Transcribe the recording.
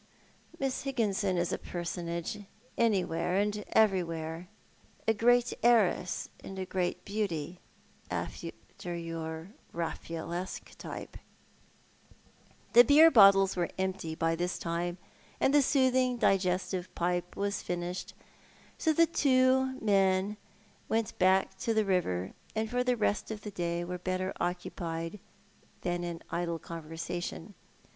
" Miss Higginson is a personage anywhere and everywhere — a great heiress and a great beauty— after your Raffaellesque type." The beer bottles were empty by this time, and the soothing digestive pipe was finished, so the two men went back to the river, and for the rest of the day were better occupied than in idle conversation.